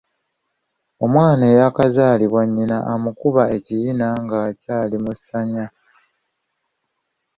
Omwana eyaakazaalibwa nnyina amukuba ekiyina nga akyali mu ssanya.